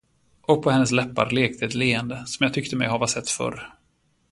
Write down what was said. Och på hennes läppar lekte ett leende, som jag tyckte mig hava sett förr.